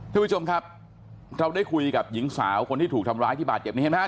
ทุกผู้ชมครับเราได้คุยกับหญิงสาวคนที่ถูกทำร้ายที่บาดเจ็บนี้เห็นไหมฮ